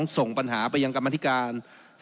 ส่งปัญหาไปยังกรรมธิการ